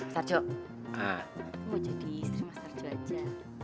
saya mau jadi istri mas arjo saja